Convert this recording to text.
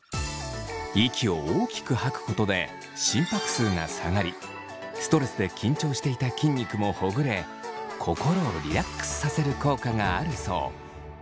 息を大きく吐くことで心拍数が下がりストレスで緊張していた筋肉もほぐれ心をリラックスさせる効果があるそう。